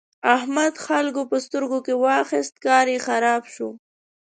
احمد خلګو په سترګو کې واخيست؛ کار يې خراب شو.